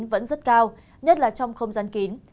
vẫn rất cao nhất là trong không gian kín